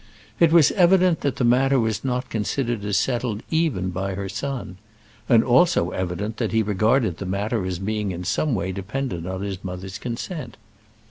It was evident that the matter was not considered as settled even by her son; and also evident that he regarded the matter as being in some way dependent on his mother's consent.